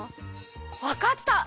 わかった！